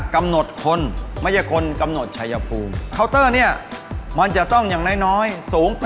กำหนดคนไม่ใช่คนกำหนดชัยภูมิเคาน์เตอร์เนี่ยมันจะต้องอย่างน้อยน้อยสูง